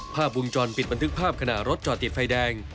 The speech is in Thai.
ภาพวงจรปิดบันทึกภาพขณะรถจอดติดไฟแดง